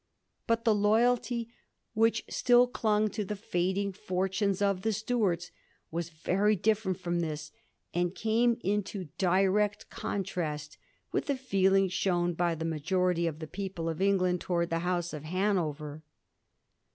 But the loyalty which still clung to the fading fortunes of the Stuarts was very different fi'om this, and came into direct contrast with the feeling shown by the majority of the people of England towards the House of Hanover.